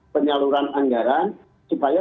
penyaluran anggaran supaya